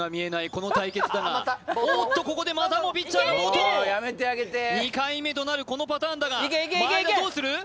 この対決だがおっとここでまたもピッチャーの暴投２回目となるこのパターンだが前田どうする？